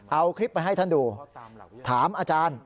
เอาคลิปไปให้ท่านดูถามอาจารย์